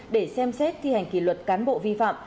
để xem xét thi hành kỷ luật cán bộ vi phạm